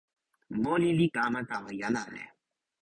moli li kama tawa jan ale.